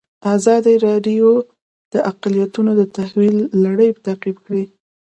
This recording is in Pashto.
ازادي راډیو د اقلیتونه د تحول لړۍ تعقیب کړې.